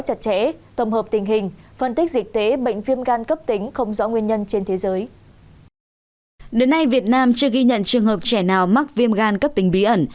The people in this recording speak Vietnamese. đến nay việt nam chưa ghi nhận trường hợp trẻ nào mắc viêm gan cấp tính bí ẩn